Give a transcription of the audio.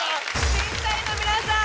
⁉審査員の皆さん